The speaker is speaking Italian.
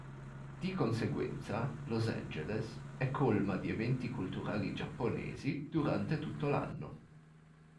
Di conseguenza, Los Angeles è colma di eventi culturali giapponesi durante tutto l'anno.